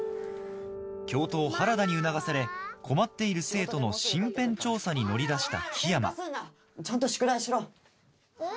教頭原田に促され困っている生徒の身辺調査に乗り出した樹山ちゃんと宿題しろ。